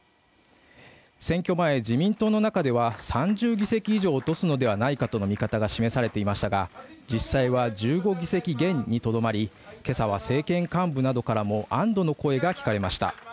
選挙前、自民党の中では３０議席以上落とすのではないかとの見方が示されていましたが、実際は１５議席減にとどまり今朝は政権幹部などからも安どの声が聞かれました。